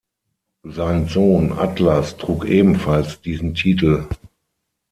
Sein Sohn Atlas trug ebenfalls diesen Titel.